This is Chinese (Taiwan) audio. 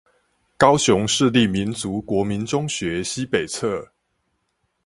高雄市立民族國民中學西北側